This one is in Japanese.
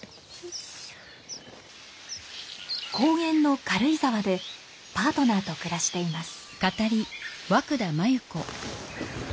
高原の軽井沢でパートナーと暮らしています。